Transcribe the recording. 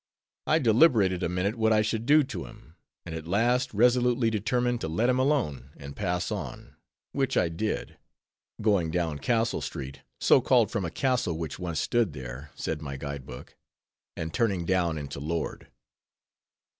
I deliberated a minute what I should do to him; and at last resolutely determined to let him alone, and pass on; which I did; going down Castle street (so called from a castle which once stood there, said my guide book), and turning down into Lord.